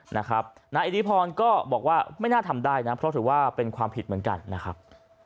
นายอิทธิพรก็บอกว่าไม่น่าทำได้นะเพราะถือว่าเป็นความผิดเหมือนกันนะครับ